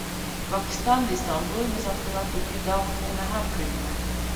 پاکستان د استانبول مذاکراتو کي دا غوښتنه هم کړې وه